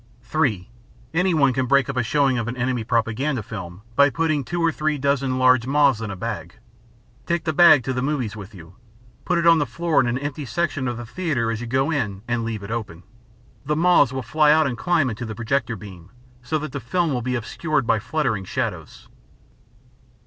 (3) Anyone can break up a showing of an enemy propaganda film by putting two or three dozen large moths in a paper bag. Take the bag to the movies with you, put it on the floor in an empty section of the theater as you go in and leave it open. The moths will fly out and climb into the projector beam, so that the film will be obscured by fluttering shadows.